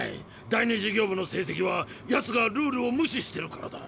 第２事業部の成績はやつがルールを無視してるからだ。